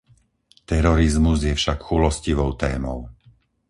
Terorizmus je však chúlostivou témou.